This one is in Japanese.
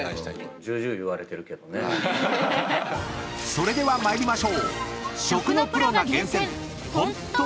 ［それでは参りましょう］